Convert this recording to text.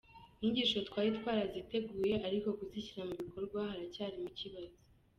Inyigisho twaraziteguye ariko kuzishyira mu bikorwa haracyarimo ikibazo.